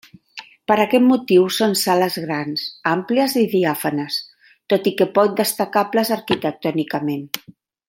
Per aquest motiu són sales grans, àmplies i diàfanes, tot i que poc destacables arquitectònicament.